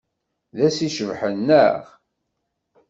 D ass icebḥen, naɣ?